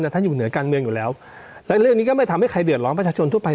แต่เรื่องนี้ก็ไม่ทำให้ใครเดือดร้อนประชาชนทั่วไป